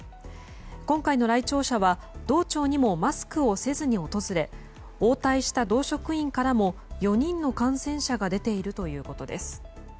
今回の来庁者は道庁にもマスクをせずに訪れ応対した同職員からも４人の感染者が出ているということです。